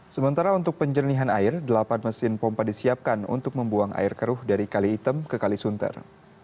sementara untuk penjernihan air delapan mesin pompa disiapkan untuk membuang air keruh dari kali item ke kalisunter